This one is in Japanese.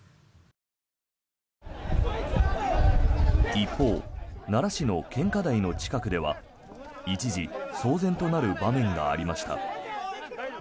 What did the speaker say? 一方奈良市の献花台の近くでは一時、騒然となる場面がありました。